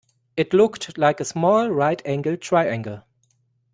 It looked like a small right-angled triangle